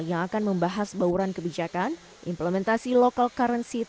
yang akan membahas bauran kebijakan implementasi lokal currency transfer